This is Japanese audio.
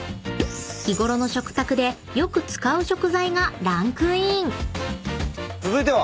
［日ごろの食卓でよく使う食材がランクイン］続いては？